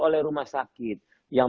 oleh rumah sakit yang